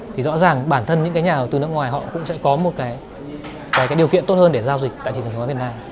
thì rõ ràng bản thân những nhà đầu tư nước ngoài họ cũng sẽ có một điều kiện tốt hơn để giao dịch tài chính chứng khoán việt nam